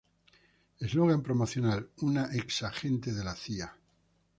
Eslogan promocional: "Una ex-agente de la Cía.